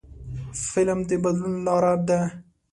فلم د بدلون لاره ده